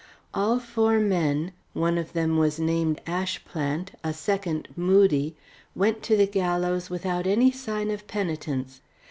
All four men one of them was named Ashplant, a second Moody went to the gallows without any sign of penitence.